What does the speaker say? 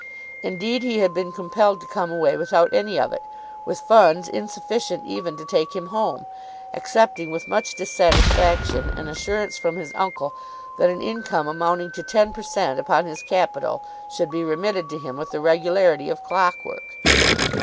Indeed he had been compelled to come away without any of it, with funds insufficient even to take him home, accepting with much dissatisfaction an assurance from his uncle that an income amounting to ten per cent. upon his capital should be remitted to him with the regularity of clockwork.